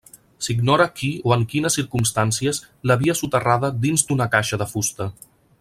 S'ignora qui o en quines circumstàncies l'havia soterrada dins d'una caixa de fusta.